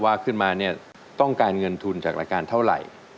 ว่าขึ้นมาเนี่ยต้องการเงินทุนจากรายการเท่าไหร่